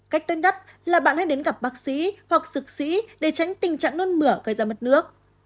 cách tuyên đất là bạn hãy đến gặp bác sĩ hoặc sc sĩ để tránh tình trạng nôn mửa gây ra mất nước